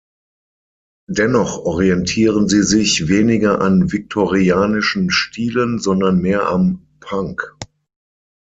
Dennoch orientieren sie sich weniger an viktorianischen Stilen, sondern mehr am Punk.